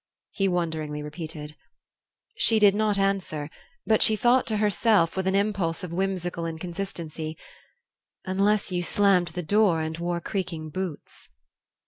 he wonderingly repeated. She did not answer, but she thought to herself, with an impulse of whimsical inconsistency, "Unless you slammed the door and wore creaking boots."